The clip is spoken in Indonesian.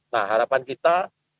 nah harapan kita